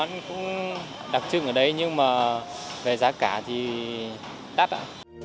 nhiều món cũng đặc trưng ở đây nhưng mà về giá cả thì đáp ạ